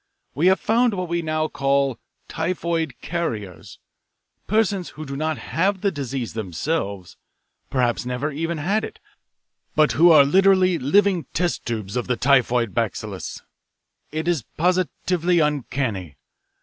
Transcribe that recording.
We have found what we now call 'typhoid carriers' persons who do not have the disease themselves, perhaps never have had it, but who are literally living test tubes of the typhoid bacillus. It is positively uncanny.